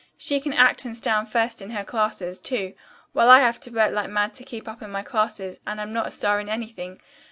She can act and stand first in her classes, too, while I have to work like mad to keep up in my classes and am not a star in anything.